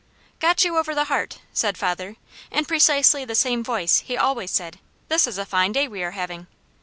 "Got you over the heart," said father, in precisely the same voice he always said, "This is a fine day we are having."